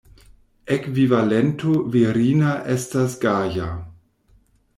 Ekvivalento virina estas Gaja.